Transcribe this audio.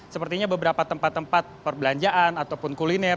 sepertinya beberapa tempat tempat perbelanjaan ataupun kuliner